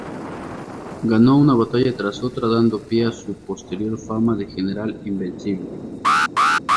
Ganó una batalla tras otra, dando pie a su posterior fama de general invencible.